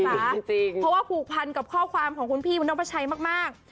เพราะว่าผูกพันกับข้อความของคุณพี่คุณนกพระชัยมาก